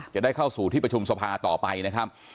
จะได้เข้าสู่ที่ประชุมสภาต่อไปนะครับ